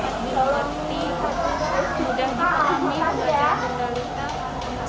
lita dapat diperlukan di bidang diperlukan benda lita